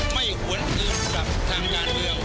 ไม่หวนอื่นกับทางงานเดียว